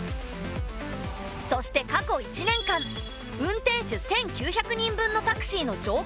そして過去１年間運転手１，９００人分のタクシーの乗降データ。